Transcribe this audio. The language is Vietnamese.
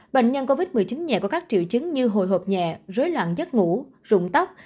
bệnh nhân covid một mươi chín nhẹ có các triệu chứng như hồi hộp nhẹ rối loạn giấc ngủ rụng tóc